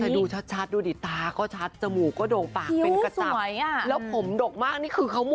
ถ้าดูชัดชัดดูดีตาก็ชัดจมู็วก็โดกปากเป็นสวยอ่ะแล้วผมดกมากนี่คือเขามู